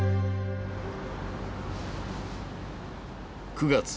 ９月。